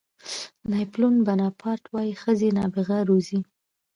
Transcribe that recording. ناپلیون بناپارټ وایي ښځې نابغه روزي.